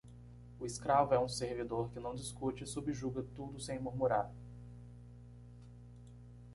O escravo é um servidor que não discute e subjuga tudo sem murmurar.